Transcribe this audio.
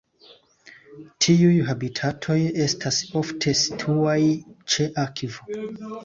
Tiuj habitatoj estas ofte situaj ĉe akvo.